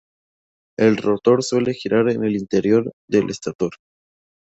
El rotor suele girar en el interior del estator.